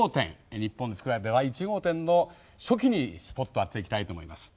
日本で作られた第１号店の初期にスポットを当てていきたいと思います。